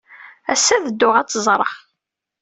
Ass-a, ad dduɣ ad tt-ẓreɣ.